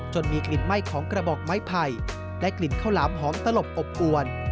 มีกลิ่นไหม้ของกระบอกไม้ไผ่และกลิ่นข้าวหลามหอมสลบอบอวน